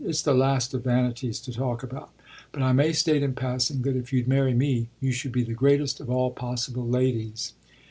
"It's the last of vanities to talk about, but I may state in passing that if you'd marry me you should be the greatest of all possible ladies."